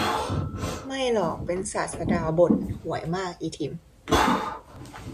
ไม่หรอก เป็นศาสดาบ่น ห่วยมากอีทิม